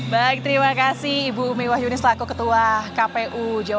baik terima kasih ibu mewah yunis lako ketua kpu